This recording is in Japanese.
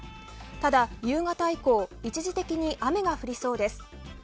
ただ、夕方以降一時的に雨が降りそうです。